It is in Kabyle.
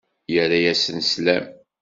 Yerra-asen slam.